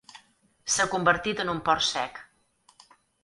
S'ha convertit en un port sec.